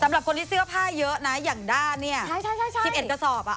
สำหรับคนที่เสื้อผ้าเยอะน่ะอย่างด้านเนี้ยใช่ใช่ใช่ใช่ทีมเอกสอบอ่ะ